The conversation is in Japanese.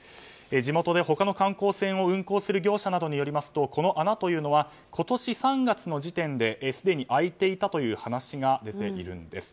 地元で他の観光船を運行する業者によりますとこの穴というのは今年３月の時点ですでに開いていたという話が出ているんです。